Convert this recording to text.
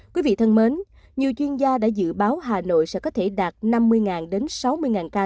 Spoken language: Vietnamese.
quý vị thân mến nhiều chuyên gia đã dự báo hà nội sẽ có thể đạt năm mươi đến sáu mươi ca